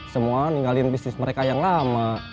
semua ninggalin bisnis mereka yang lama